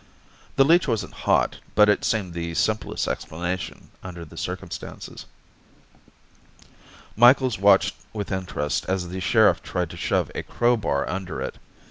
The leech wasn't hot, but it seemed the simplest explanation under the circumstances. Micheals watched with interest as the sheriff tried to shove a crowbar under it.